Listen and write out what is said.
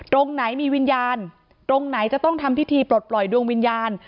ตรงไหนมีวิญญาณตรงไหนจะต้องทำพิธีปลดปล่อยดวงวิญญาณ